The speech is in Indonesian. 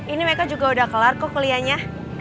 ini mereka juga udah kelar kok kuliahnya